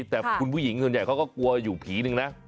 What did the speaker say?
แต่คุณผู้หญิงส่วนใหญ่เขาก็กลัวอยู่ผีหนึ่งนะ